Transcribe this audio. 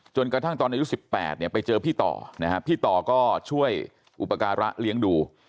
กระทั่งตอนอายุ๑๘เนี่ยไปเจอพี่ต่อนะฮะพี่ต่อก็ช่วยอุปการะเลี้ยงดู